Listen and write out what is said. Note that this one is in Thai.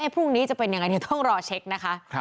พรุ่งนี้จะเป็นยังไงเดี๋ยวต้องรอเช็คนะคะ